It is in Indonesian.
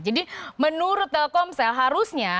jadi menurut telkomsel harusnya